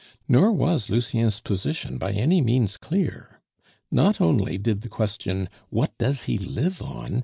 Nor was Lucien's position by any means clear; not only did the question, "What does he live on?"